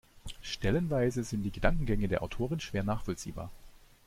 Stellenweise sind die Gedankengänge der Autorin schwer nachvollziehbar.